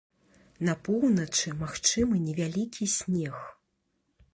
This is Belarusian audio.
На поўначы магчымы невялікі снег.